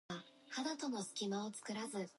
The current conductor is Andy Sherwood.